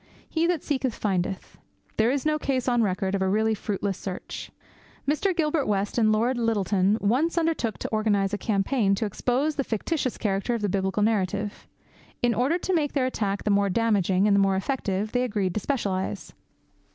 He that seeketh, findeth. There is no case on record of a really fruitless search. Mr. Gilbert West and Lord Lyttelton once undertook to organize a campaign to expose the fictitious character of the biblical narrative. In order to make their attack the more damaging and the more effective they agreed to specialize.